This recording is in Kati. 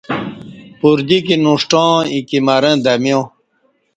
پردیکی نݜٹاں ایکی مرں دمیا